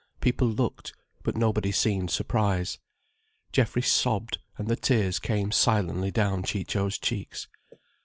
People looked, but nobody seemed surprised. Geoffrey sobbed, and the tears came silently down Ciccio's cheeks.